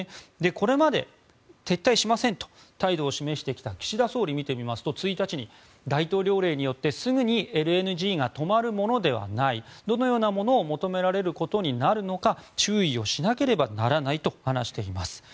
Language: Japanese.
これまで撤退しませんと態度を示してきた岸田総理を見てみますと１日に、大統領令によってすぐにＬＮＧが止まるものではないどのようなものを求められることになるのか注視しなければならないと話しています。